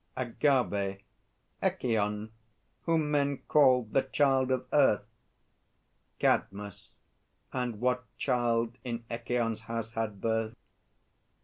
AGAVE. Echîon, whom men named the Child of Earth. CADMUS. And what child in Echîon's house had birth?